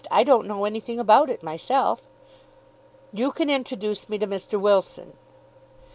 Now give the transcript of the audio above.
I don't know anything about it myself." "You can introduce me to Mr. Wilson."